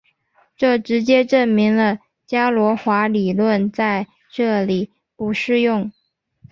这直接证明了伽罗华理论在这里不适用。